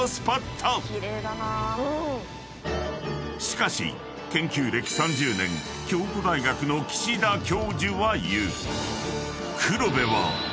［しかし研究歴３０年京都大学の岸田教授は言う］